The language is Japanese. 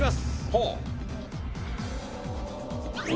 ほう。